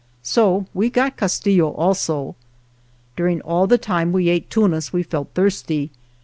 So we got Castillo also. During all the time we ate tunas we felt thirsty.